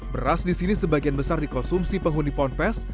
beras di sini sebagian besar dikonsumsi penghuni ponpes